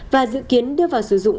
và dự kiến đưa vào sử dụng